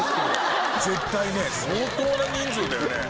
「絶対ね相当な人数だよね」